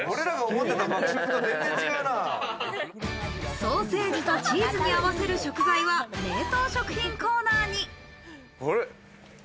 ソーセージとチーズに合わせる食材は冷凍食品コーナーに。